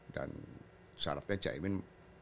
dan syaratnya jai iman